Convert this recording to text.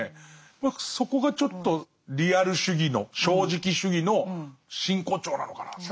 僕そこがちょっとリアル主義の正直主義の真骨頂なのかなと。